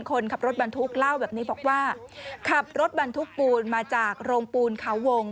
คนขับรถบรรทุกเล่าแบบนี้บอกว่าขับรถบรรทุกปูนมาจากโรงปูนเขาวง